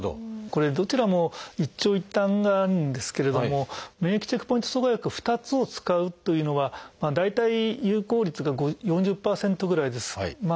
これどちらも一長一短があるんですけれども免疫チェックポイント阻害薬２つを使うというのは大体有効率が４０％ぐらいです。